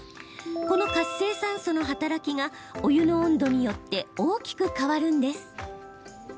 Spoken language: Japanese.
この活性酸素の働きがお湯の温度によって大きく変わるんです。